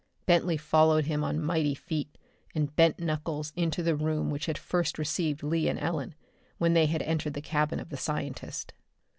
Bentley followed him on mighty feet and bent knuckles into the room which had first received Lee and Ellen when they had entered the cabin of the scientist.